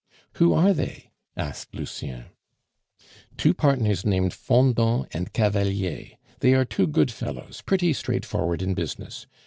"Who are they?" asked Lucien. "Two partners named Fendant and Cavalier; they are two good fellows, pretty straightforward in business.